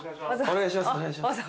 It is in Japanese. お願いします。